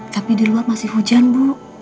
tapi di luar masih hujan bu